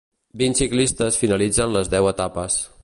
Vint ciclistes finalitzaren les deu etapes.